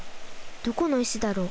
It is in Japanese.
どこの石だろう？